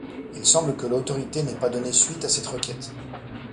Il semble que l'autorité n'ait pas donné suite à cette requête.